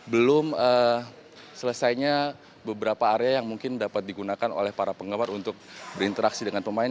belum selesainya beberapa area yang mungkin dapat digunakan oleh para penggemar untuk berinteraksi dengan pemain